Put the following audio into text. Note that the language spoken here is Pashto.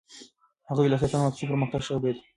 هغې وویل د سرطان واکسین پرمختګ ښه خبر دی.